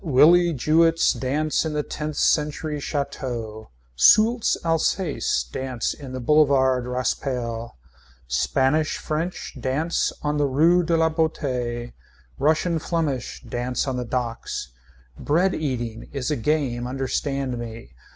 Willie Jewetts dance in the tenth century chateau. Soultz Alsace dance on the Boulevard Raspail Spanish French dance on the rue de la Boetie Russian Flemish dance on the docks. Bread eating is a game understand me.